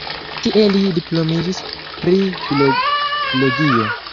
Tie li diplomiĝis pri filologio.